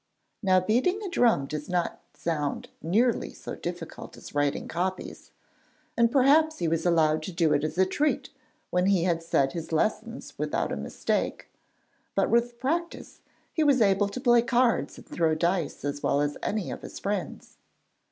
Now beating a drum does not sound nearly so difficult as writing copies, and perhaps he was allowed to do it as a treat when he had said his lessons without a mistake, but with practice he was able to play cards and throw dice as well as any of his friends.